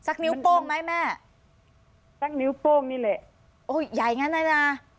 นิ้วโป้งไหมแม่สักนิ้วโป้งนี่แหละโอ้ยใหญ่งั้นเลยนะ